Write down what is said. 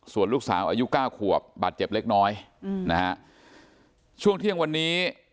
ส่วนลูกสาวอายุเก้าขวบบาดเจ็บเล็กน้อยอืมนะฮะช่วงเที่ยงวันนี้